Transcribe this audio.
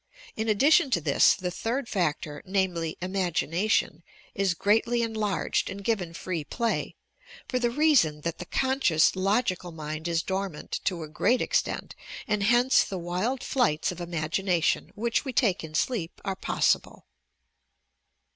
In addition to this the third factor namely "imagination" is greatly enlarged and given free play, for the reason that the conscious, logical mind is dormant, to a great extent, and hence the wild flights of imagination, which we take in sleep, are possible.